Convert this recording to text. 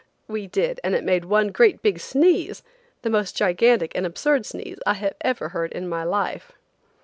We did, and it made one great big sneeze–the most gigantic and absurd sneeze I ever heard in my life.